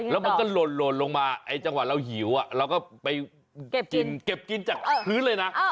แล้วมันก็หล่นลงมาไอ้จังหวะเราหิวเราก็ไปกินเก็บกินจากพื้นเลยนะ